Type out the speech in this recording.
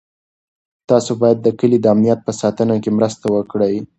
تاسو باید د کلي د امنیت په ساتنه کې مرسته وکړئ.